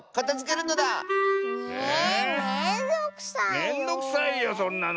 めんどくさいよそんなの。